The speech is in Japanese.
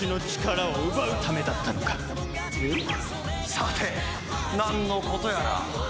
さてなんのことやら。